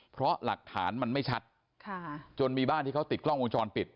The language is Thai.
เพราะหลักฐานมันไม่ชัดจนมีบ้านที่เขาติดกล้องวงจรปิด